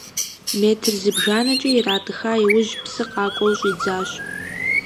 Метр зыбжанэкӏэ иратӏыха иужь, псы къакӏуэу щӏидзащ.